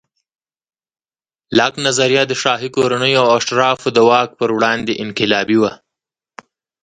لاک نظریه د شاهي کورنیو او اشرافو د واک پر وړاندې انقلابي وه.